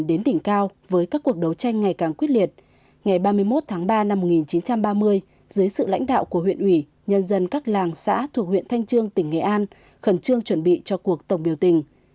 dưới sự lãnh đạo của huyện ủy nhân dân các làng xã thuộc huyện thanh trương tỉnh nghệ an khẩn trương chuẩn bị cho cuộc tổng biểu tình